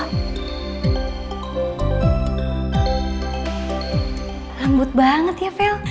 lembut banget ya fel